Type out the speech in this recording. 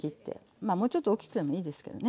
まあもうちょっと大きくてもいいですけどね。